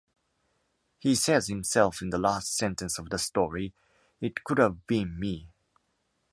He says himself in the last sentence of the story: It could have been me.